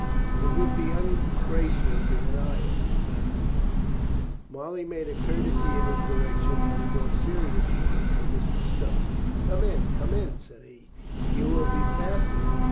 "It would be ungraceful to deny it," said Mat thieu Marc. Molly made a courtesy in his direction and a more serious one for Mr. Stow» "Come in, come in," said he, "you will be fasting."